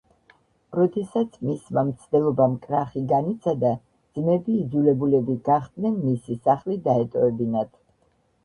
როდესაც მისმა მცდელობამ კრახი განიცადა, ძმები იძულებულები გახდნენ, მისი სახლი დაეტოვებინათ.